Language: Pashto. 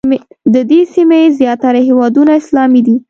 د دې سیمې زیاتره هېوادونه اسلامي دي.